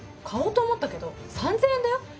買おうと思ったけど３，０００円だよ？